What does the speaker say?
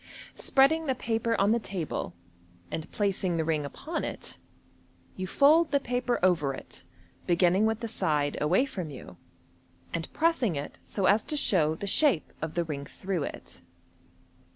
Spreading the paper on the table, and placing the ring upon it, you fold the paper over it, beginning with the side away from you, and pressing it so as to show the shape of the ring through it.